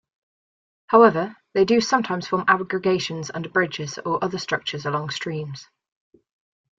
However, they do sometimes form aggregations under bridges or other structures along streams.